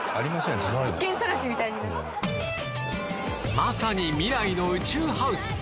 まさに未来の宇宙ハウス